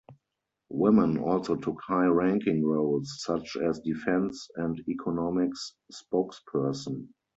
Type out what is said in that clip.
Women also took high ranking roles such as defence and economics spokesperson.